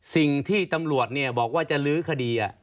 สิ่งที่ตำรวจบอกว่าจะลื้อคดี